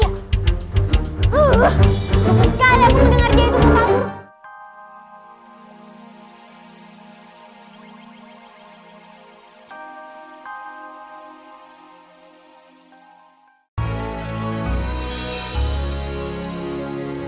ustadz kagak mendengar dia itu kabur